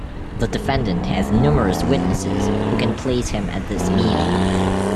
The defendant has numerous witnesses who can place him at this meeting.